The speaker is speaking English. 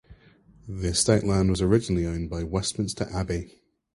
The estate land was originally owned by Westminster Abbey.